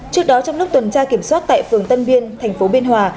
trước đó trong lúc tuần tra kiểm soát tại phường tân biên thành phố biên hòa